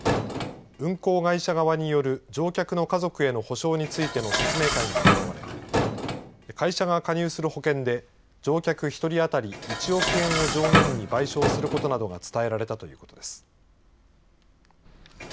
運航会社による乗客の家族への補償についての説明会が行われ会社が加入する保険で乗客１人当たり１億円を上限に賠償することなどが伝えられたということです。